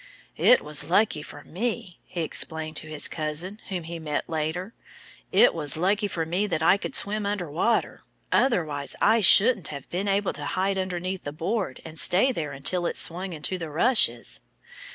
"It was lucky for me " he explained to his cousin, whom he met later "it was lucky for me that I could swim under water. Otherwise I shouldn't have been able to hide beneath the board and stay there until it swung into the rushes."